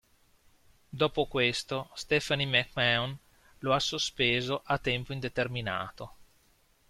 Dopo questo Stephanie McMahon lo ha sospeso a tempo indeterminato.